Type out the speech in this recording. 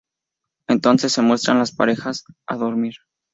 Entonces se muestran a las parejas dormir.